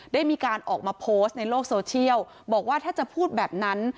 ได้มีการออกมาโพสต์ในโลกโซเชียลบอกว่าถ้าจะพูดแบบนั้น